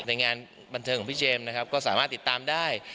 ในงานบันเทิงของพี่เจมส์นะครับก็สามารถติดตามได้